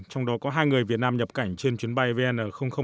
trong đó có hai người việt nam nhập cảnh trên chuyến bay vn năm mươi